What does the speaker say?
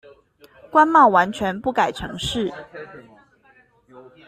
關貿完全不改程式